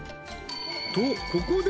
［とここで］